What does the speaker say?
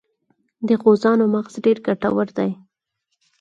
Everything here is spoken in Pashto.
د غوزانو مغز ډیر ګټور دی.